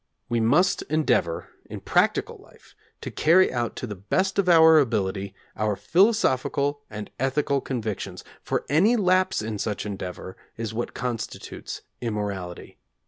We must endeavour in practical life to carry out to the best of our ability our philosophical and ethical convictions, for any lapse in such endeavour is what constitutes immorality.